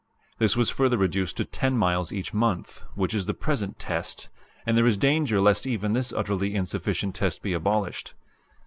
This was further reduced to 10 miles each month, which is the present 'test,' and there is danger lest even this utterly insufficient test be abolished.